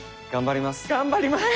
頑張ります！